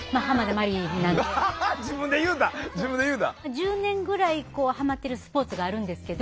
１０年ぐらいハマってるスポーツがあるんですけど。